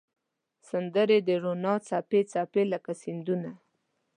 سندرې د روڼا څپې، څپې لکه سیندونه